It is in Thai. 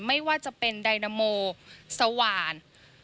ไม่ว่าจะเป็นไดนาโมสว่าน